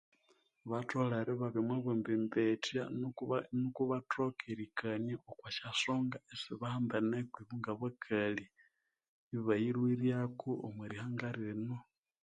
Batholere ibabya omwa bwembembetya nuko nuko bathoke erikania okwasyasonga esibahambeneko nga bakali ibayilhwiryako omwihanga lino